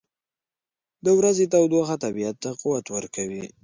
• د ورځې تودوخه طبیعت ته قوت ورکوي.